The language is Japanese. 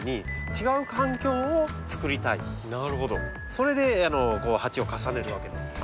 それで鉢を重ねるわけなんです。